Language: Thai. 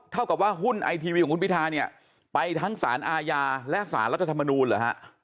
เท่ากับว่าหุ้นไอทีวีของคุณพิทาเนี่ยไปทั้งสารอาญาและสารรัฐธรรมนูลเหรอฮะ